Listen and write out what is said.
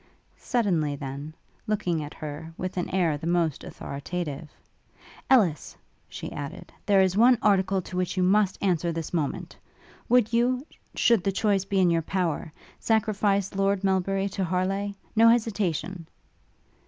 Suddenly, then, looking at her, with an air the most authoritative, 'Ellis!' she added, 'there is one article to which you must answer this moment! Would you, should the choice be in your power, sacrifice Lord Melbury to Harleigh? No hesitation!'